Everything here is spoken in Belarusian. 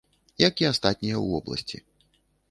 Як і астатнія ў вобласці.